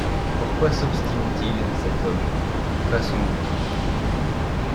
Pourquoi s'obstine-t-il, cet homme ? Passons outre.